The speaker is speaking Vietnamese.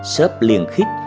sớp liền khích